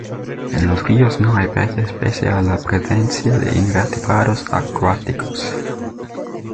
En los ríos no hay peces pese a la presencia de invertebrados acuáticos.